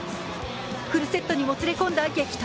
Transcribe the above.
フルセットにもつれ込んだ激闘。